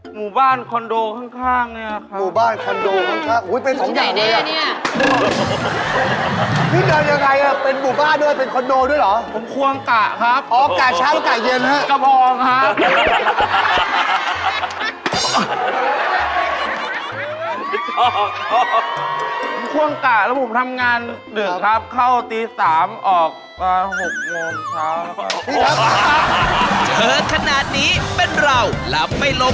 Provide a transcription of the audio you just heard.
หมู่บ้านคอนโดข้างเนี่ยครับ